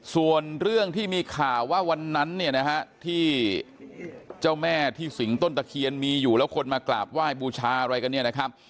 ส่วนเรื่องที่มีข่าวว่าวันนั้นที่เจ้าแม่ที่สิงต้นตะเคียนมีอยู่แล้วคนมากราบว่ายบูชาอะไรกัน